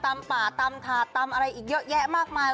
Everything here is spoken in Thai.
ป่าตำถาดตำอะไรอีกเยอะแยะมากมาย